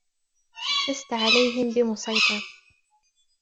لست عليهم بمصيطر